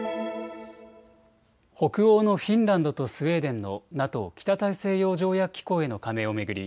北欧のフィンランドとスウェーデンのＮＡＴＯ・北大西洋条約機構への加盟を巡り